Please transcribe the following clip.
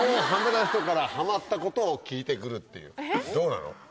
どうなの？